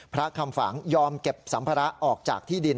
พระคำฝังยอมเก็บสัมภาระออกจากที่ดิน